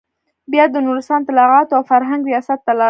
بيا د نورستان اطلاعاتو او فرهنګ رياست ته لاړم.